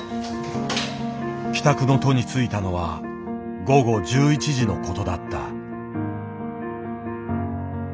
帰宅の途に就いたのは午後１１時のことだった。